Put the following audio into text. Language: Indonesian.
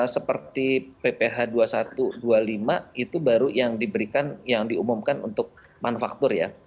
seperti pph dua puluh satu dua puluh lima itu baru yang diberikan yang diumumkan untuk manufaktur ya